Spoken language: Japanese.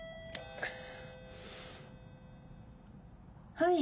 はい。